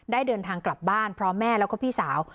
เดินทางกลับบ้านพร้อมแม่แล้วก็พี่สาว